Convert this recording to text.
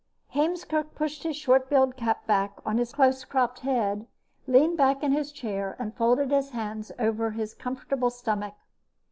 Heemskerk pushed his short billed cap back on his close cropped head, leaned back in his chair and folded his hands over his comfortable stomach.